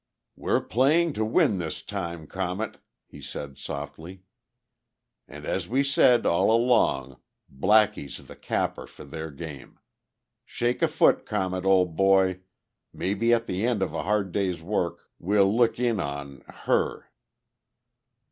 "We're playing to win this time, Comet," he said softly. "And, as we said all along, Blackie's the capper for their game. Shake a foot, Comet, old boy. Maybe at the end of a hard day's work we'll look in on ... her."